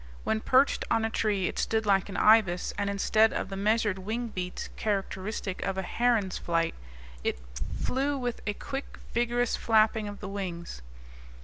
When perched on a tree it stood like an ibis; and instead of the measured wing beats characteristic of a heron's flight, it flew with a quick, vigorous flapping of the wings.